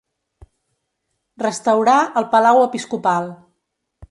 Restaurà el palau episcopal.